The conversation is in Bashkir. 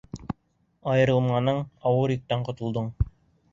Айырылманың, ауыр йөктән ҡотолдоң!